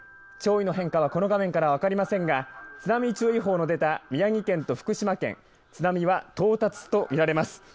潮位の変化はこの画面からは分かりませんが津波注意報の出た宮城県と福島県津波は到達と見られます。